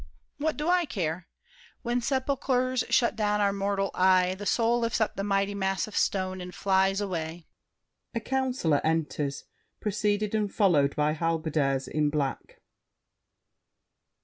What do I care? When sepulchers shut down our mortal eye, The soul lifts up the mighty mass of stone And flies away— [A Councilor enters, preceded and followed by Halberdiers in black.